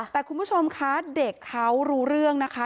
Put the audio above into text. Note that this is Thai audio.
แต่คุณผู้ชมคะเด็กเขารู้เรื่องนะคะ